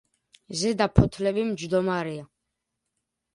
ზედა ფოთლები მჯდომარეა.